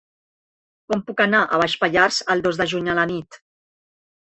Com puc anar a Baix Pallars el dos de juny a la nit?